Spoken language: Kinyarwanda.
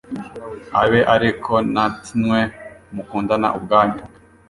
abe ariko natnwe mukundana ubwanyu.»